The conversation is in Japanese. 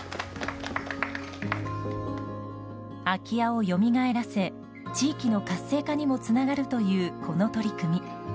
空き家をよみがえらせ地域の活性化にもつながるというこの取り組み。